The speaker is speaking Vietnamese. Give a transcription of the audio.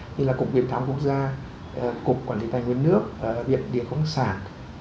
như là cục viện thám quốc gia cục quản lý tài nguyên nước viện địa công sản